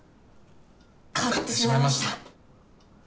買ってしまいました。